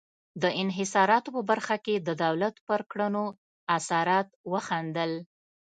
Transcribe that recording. د انحصاراتو په برخه کې د دولت پر کړنو اثرات وښندل.